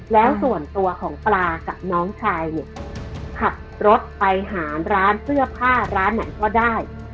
แล้วส่วนตัวของปลากับน้องชายเนี่ยขับรถไปหาร้านเสื้อผ้าร้านไหนก็ได้